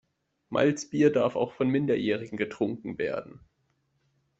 Malzbier darf auch von Minderjährigen getrunken werden.